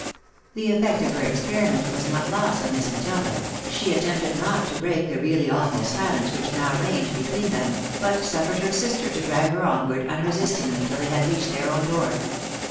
The effect of her experiment was not lost on Miss Matilda ; she attempted not to break the really awful silence which now reigned between them, but suffered her sister to drag her onward unresist ingly till they had reached their own door.